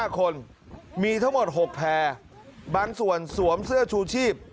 ๕คนมีทั้งหมด๖แพร่บางส่วนสวมเสื้อชูชีพ